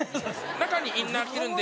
中にインナー着てるんで。